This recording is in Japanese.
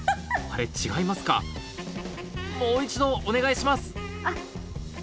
あれ違いますかもう一度お願いしますあっ！